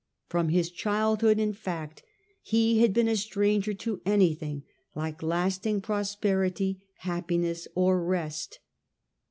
From his childhood, in fact, he had been a stranger to anything like lasting prosperity, happiness, or rest.